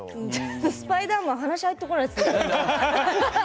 スパイダーマン話、入ってこないですね。